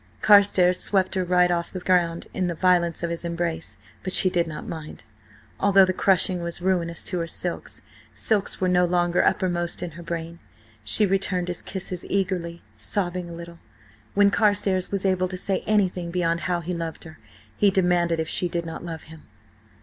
Carstares swept her right off the ground in the violence of his embrace, but she did not mind, although the crushing was ruinous to her silks. Silks were no longer uppermost in her brain. She returned his kisses eagerly, sobbing a little. When Carstares was able to say anything beyond how he loved her, he demanded if she did not love him?